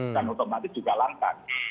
dan otomatis juga lankan